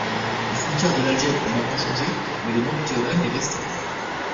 Les frontières de l'algèbre ont maintenant changé mais le nom du théorème est resté.